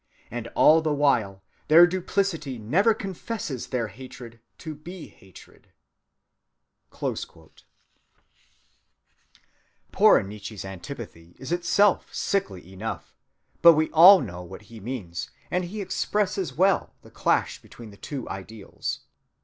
And all the while their duplicity never confesses their hatred to be hatred."(220) Poor Nietzsche's antipathy is itself sickly enough, but we all know what he means, and he expresses well the clash between the two ideals.